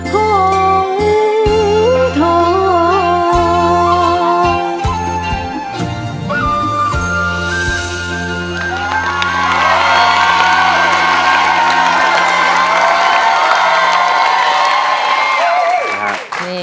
ขอบคุณครับ